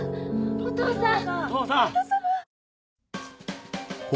お父さん！